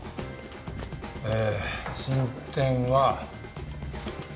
えぇ進展は。